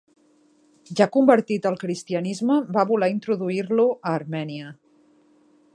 Ja convertit al cristianisme, va voler introduir-lo a Armènia.